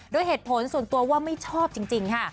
โดยเหตุผลส่วนตัวว่าไม่ชอบจริงค่ะ